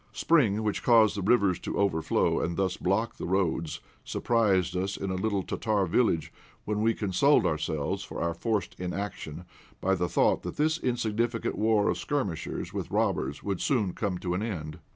Spring, which caused the rivers to overflow, and thus block the roads, surprised us in a little Tartar village, when we consoled ourselves for our forced inaction by the thought that this insignificant war of skirmishers with robbers would soon come to an end.